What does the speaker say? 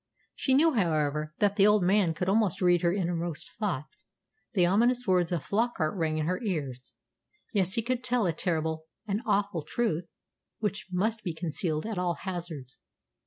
She knew, however, that the old man could almost read her innermost thoughts. The ominous words of Flockart rang in her ears. Yes, he could tell a terrible and awful truth which must be concealed at all hazards.